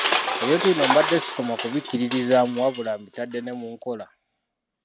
Ebintu bino mbadde sikoma ku kubikkiririzaamu wabula mbitadde ne mu nkola.